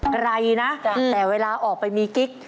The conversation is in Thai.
ไกลนะแต่เวลาออกไปมีกิ๊ก